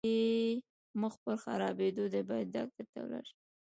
حالت دې مخ پر خرابيدو دی، بايد ډاکټر ته ولاړ شې!